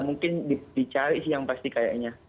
mungkin dicari sih yang pasti kayaknya